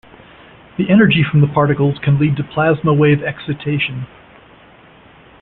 The energy from the particles can lead to plasma wave excitation.